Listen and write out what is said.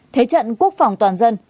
thế trận quốc phòng toàn dân